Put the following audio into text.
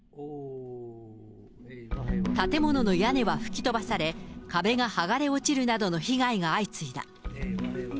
建物の屋根は吹き飛ばされ、壁が剥がれ落ちるなどの被害が相次いだ。